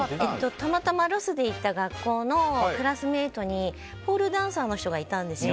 たまたまロスで行った学校のクラスメートにポールダンサーの人がいたんですよ。